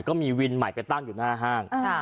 ก็มีวินใหม่ไปตั้งอยู่หน้าห้าง